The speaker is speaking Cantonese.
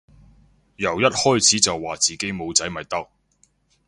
由一開始就話自己冇仔咪得